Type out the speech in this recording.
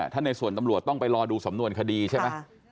ถ้าในส่วนตำรวจต้องไปรอดูสำนวนคดีใช่ไหม